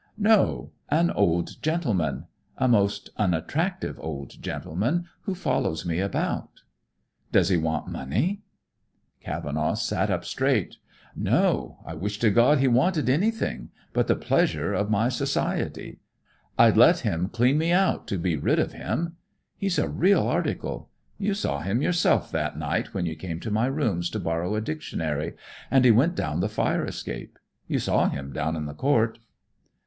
"No; an old gentleman. A most unattractive old gentleman, who follows me about." "Does he want money?" Cavenaugh sat up straight. "No. I wish to God he wanted anything but the pleasure of my society! I'd let him clean me out to be rid of him. He's a real article. You saw him yourself that night when you came to my rooms to borrow a dictionary, and he went down the fire escape. You saw him down in the court."